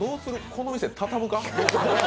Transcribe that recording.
この店、畳むか？